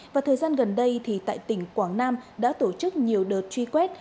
và thời gian gần đây thì tại tỉnh quảng nam đã tổ chức nhiều đợt truy quét